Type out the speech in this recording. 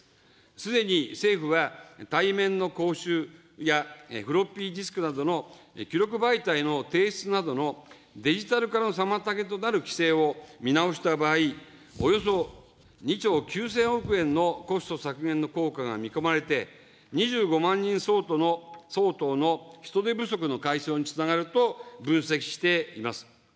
すでに政府は、対面の講習やフロッピーデスクなどの記録媒体の提出などのデジタル化の妨げとなる規制を見直した場合、およそ２兆９０００億円のコスト削減の効果が見込まれて、２５万人相当の人手不足の解消につながると分析しています。